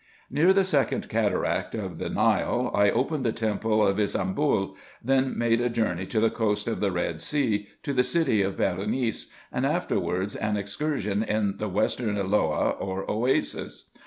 Near the second cataract of the Nile, I opened the temple of Ybsambul ; then made a journey to the coast of the Red Sea, to the city of Berenice, and afterwards an excursion in the western Elloah, or Oasis.